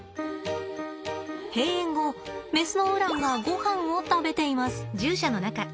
閉園後メスのウランがごはんを食べています。